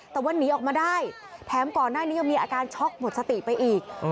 แต่ว่าหนีออกมาได้แถมก่อนหน้านี้ยังมีอาการช็อกหมดสติไปอีก